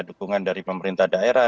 dukungan dari pemerintah daerah